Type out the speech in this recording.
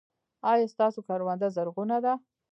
ایا ستاسو کرونده زرغونه ده؟